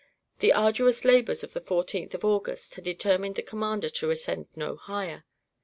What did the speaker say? The arduous labors of the 14th August had determined the commander to ascend no higher.